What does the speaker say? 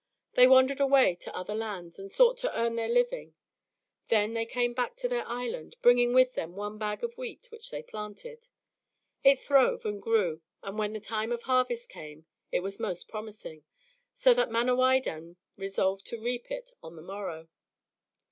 They wandered away to other lands and sought to earn their living; then they came back to their island, bringing with them one bag of wheat which they planted. It throve and grew, and when the time of harvest came it was most promising, so that Manawydan resolved to reap it on the morrow.